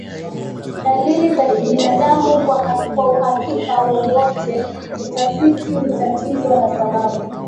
dalili zabinadamu kwa uhakika wowote Utafiti hutatizwa na sababu